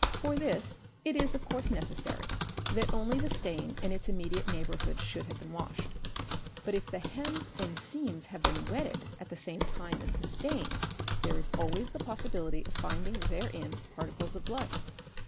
For this it is of course necessary that only the stain and its immediate neighbourhood should have been washed ®; but if the hems and seams have been wetted at the same time as the stain there is always the possibility of finding therein particles of blood.